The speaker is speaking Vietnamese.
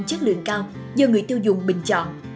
chất lượng cao do người tiêu dùng bình chọn